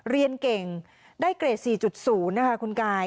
เรียนเก่งได้เกรด๔๐นะคะคุณกาย